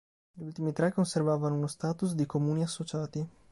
Gli ultimi tre conservavano uno status di "comuni associati".